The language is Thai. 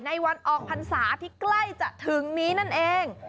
วันออกพรรษาที่ใกล้จะถึงนี้นั่นเอง